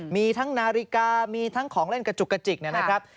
มีทั้งนาฬิกามีทั้งของเล่นกระจุกกระจิกนะครับ